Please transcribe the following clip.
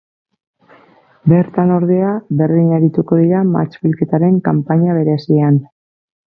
Bietan, ordea, berdin arituko dira, mahats-bilketa kanpaina berezian.